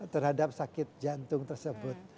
terhadap sakit jantung tersebut